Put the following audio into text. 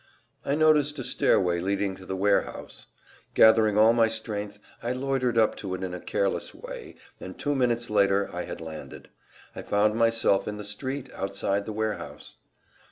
I noticed a stair way leading to the warehouse. Gathering all my strength I loitered up to it in a careless way and—two minutes later I had landed. I found myself in the street outside the warehouse.